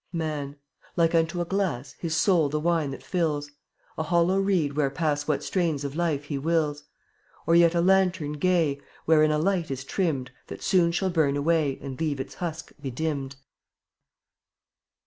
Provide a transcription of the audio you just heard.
1 5 Man — like unto a glass, His soul the wine that fills; A hollow reed where pass What strains of life He wills; Or yet a lantern gay, Wherein a light is trimmed, That soon shall burn away And leave its husk bedimmed.